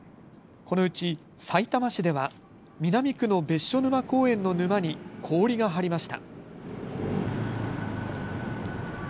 このうちさいたま市では南区の別所沼公園の沼に氷が張りました。